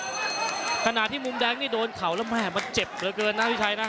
ขณะที่มุมแดงนี่โดนเข่าแล้วแม่มันเจ็บเหลือเกินนะพี่ชัยนะ